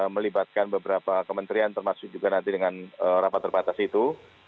melibatkan beberapa kementerian termasuk juga nanti dengan rapat terbatas itu